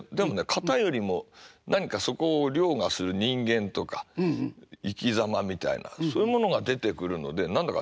型よりも何かそこを凌駕する人間とか生きざまみたいなそういうものが出てくるので何だかね